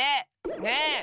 ねえ！